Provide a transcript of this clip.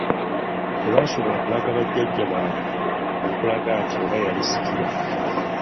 Tebasobola kulaga bajjajja baabwe okulaga nti oba yalisikira.